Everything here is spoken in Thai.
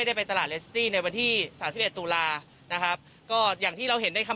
ลองไปฟังเสียงวันยากาศช่วงนี้กันค่ะ